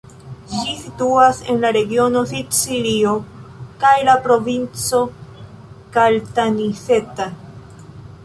Ĝi situas en la regiono Sicilio kaj la provinco Caltanissetta.